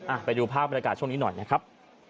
ไปดูภาพบรรยากาศช่วงนี้หน่อยนะครับ